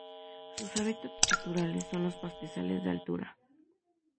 Sus hábitats naturales son los pastizales de altura.